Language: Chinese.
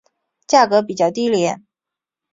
价格比较低廉。